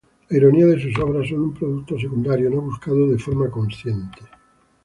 La ironía de sus obras son un producto secundario, no buscado de forma consciente.